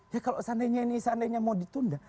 ya kalau seandainya ini seandainya mau ditunda